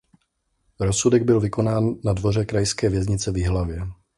Rozsudek byl vykonán na dvoře krajské věznice v Jihlavě.